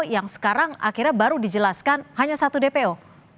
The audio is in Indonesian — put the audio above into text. yang sekarang akhirnya baru dijelaskan hanya satu dpo